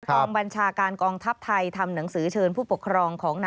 กองบัญชาการกองทัพไทยทำหนังสือเชิญผู้ปกครองของ